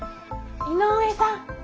井上さん。